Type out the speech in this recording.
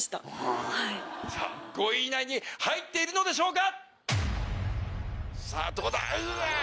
５位以内に入っているのでしょうか